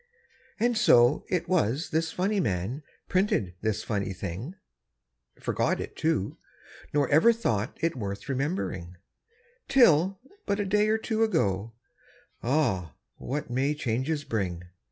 And so it was this funny man Printed this funny thing Forgot it, too, nor ever thought It worth remembering, Till but a day or two ago. (Ah! what may changes bring!)